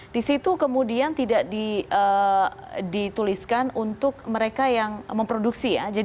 di situ kemudian tidak dituliskan untuk mereka yang memproduksi ya